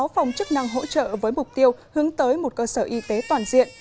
sáu phòng chức năng hỗ trợ với mục tiêu hướng tới một cơ sở y tế toàn diện